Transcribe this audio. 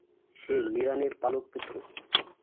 সে মিরানের পালক পুত্র।